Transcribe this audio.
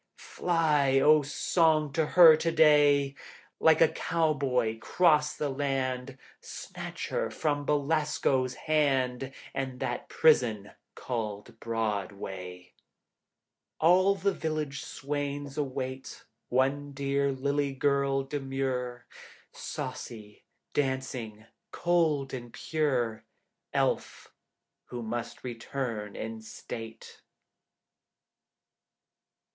Fly, O song, to her to day, Like a cowboy cross the land. Snatch her from Belasco's hand And that prison called Broadway. All the village swains await One dear lily girl demure, Saucy, dancing, cold and pure, Elf who must return in state.